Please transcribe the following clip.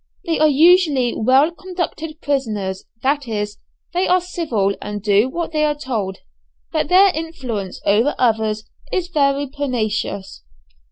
They are usually well conducted prisoners, that is, they are civil and do what they are told, but their influence over others is very pernicious.